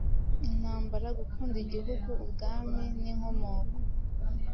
intambara, gukunda igihugu, ubwami, n'inkomoko.